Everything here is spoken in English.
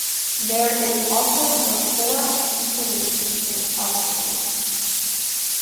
There is also the for installation in automobiles.